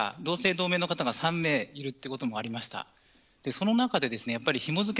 多い日には同姓同名の方が３名いるということもありました。